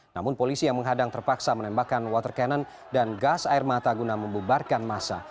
namun polisi yang menghadang terpaksa menembakkan water cannon dan gas air mata guna membubarkan masa